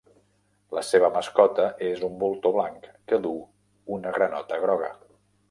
La seva mascota és un voltor blanc que duu una granota groga.